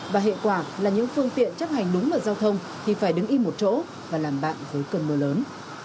và hệ quả là những phương tiện chấp hành đúng vào giao thông thì phải đứng y một chỗ và làm bạn với cơn mưa lớn